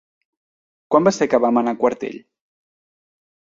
Quan va ser que vam anar a Quartell?